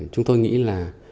chúng tôi nghĩ là